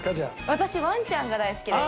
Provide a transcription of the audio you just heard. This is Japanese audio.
私ワンちゃんが大好きです。